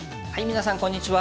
皆さんこんにちは。